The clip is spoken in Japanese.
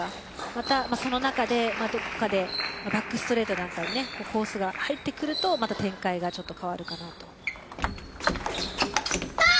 また、その中でどこかでバックストレートだったりコースが入ってくると展開が変わるかなと。